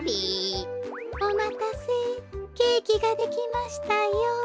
おまたせケーキができましたよ。